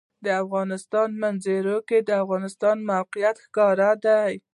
د افغانستان په منظره کې د افغانستان د موقعیت ښکاره ده.